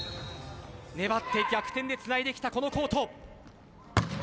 粘って逆転でつないできたこのコート。